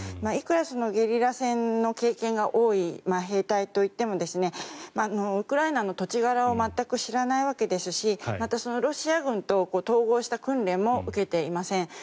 いくらゲリラ戦の経験が多い兵隊といってもウクライナの土地柄を全く知らないわけですしまた、ロシア軍と統合した訓練も受けていません。